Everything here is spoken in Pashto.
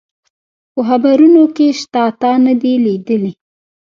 په خبرونو کي شته، تا نه دي لیدلي؟